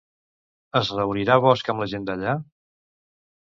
Es reunirà Bosch amb la gent d'allà?